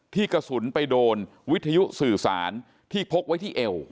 กระสุนไปโดนวิทยุสื่อสารที่พกไว้ที่เอว